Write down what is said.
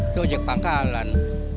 itu ojek pangkalan